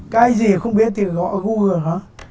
cái gì không biết thì gọi google hả